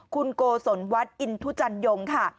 คุณโกศลวัดอินทุจันยงค่ะ